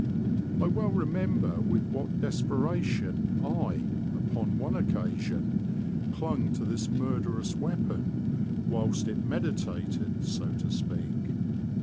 I well remember with what desperation I, upon one occasion, clung to this murderous weapon whilst it meditated, so to speak.